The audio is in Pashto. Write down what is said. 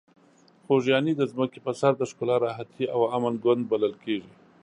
خوږیاڼي د ځمکې په سر د ښکلا، راحتي او امن ګوند بلل کیږي.